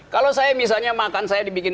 kalau saya misalnya makan saya dibikin